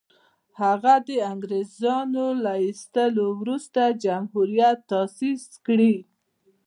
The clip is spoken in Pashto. هغه د انګرېزانو له ایستلو وروسته جمهوریت تاءسیس کړي.